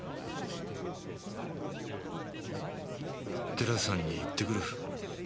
寺さんに言ってくる。